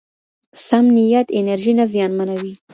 سم نیت انرژي نه زیانمنوي.